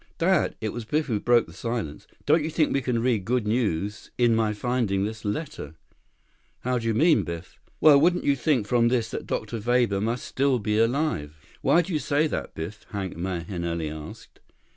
"Dad." It was Biff who broke the silence. "Don't you think we can read good news in my finding this letter?" "How do you mean, Biff?" "Well, wouldn't you think from this that Dr. Weber must still be alive?" "Why do you say that, Biff?" Hank Mahenili asked.